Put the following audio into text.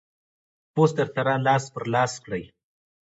پوسټ در سره لاس پر لاس کړئ.